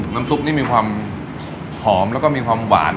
น้ำซุปนี่มีความหอมแล้วก็มีความหวาน